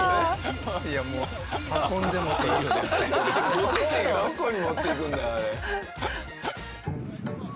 どこに持っていくんだよあれ。